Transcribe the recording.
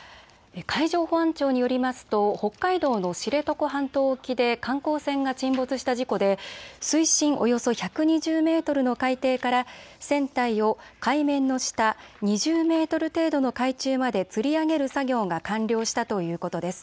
海上保安庁によりますと北海道の知床半島沖で観光船が沈没した事故で水深およそ１２０メートルの海底から船体を海面の下、２０メートル程度の海中までつり上げる作業が完了したということです。